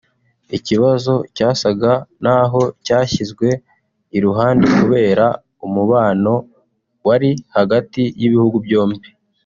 ikibazo cyasaga n’aho cyashyizwe iruhande kubera umubano wari hagati y’ibihugu byombi